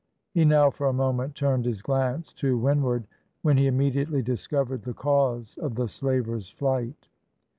He now, for a moment, turned his glance to windward, when he immediately discovered the cause of the slaver's flight.